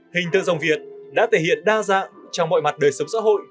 hình tượng dòng việt đã thể hiện đa dạng trong mọi mặt đời sống xã hội